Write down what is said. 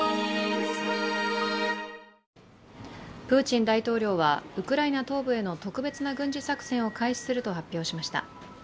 プーチン大統領はウクライナ東部への特別な軍事作戦を開始すると発表しました。